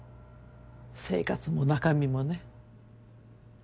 生活も中身もね。